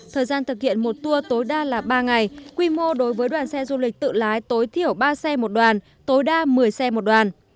thời gian thực hiện một tour tối đa là ba ngày quy mô đối với đoàn xe du lịch tự lái tối thiểu ba xe một đoàn tối đa một mươi xe một đoàn